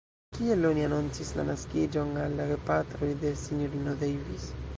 Kiel oni anoncis la naskiĝon al la gepatroj de S-ino Davis?